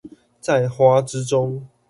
在花之中